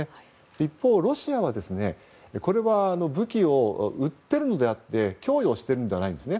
一方、ロシアは武器を売ってるのであって供与しているのではないんですね。